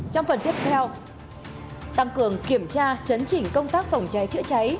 trong phần tiếp theo tăng cường kiểm tra chấn chỉnh công tác phòng cháy chữa cháy